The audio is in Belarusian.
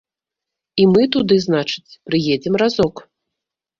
І мы туды, значыць, прыедзем разок.